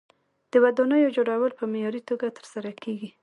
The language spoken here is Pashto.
د ودانیو جوړول په معیاري توګه ترسره کیږي.